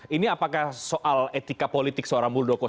ini apakah soal etika politik seorang muldoko